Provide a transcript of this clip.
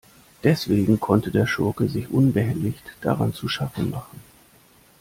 Deswegen konnte der Schurke sich unbehelligt daran zu schaffen machen.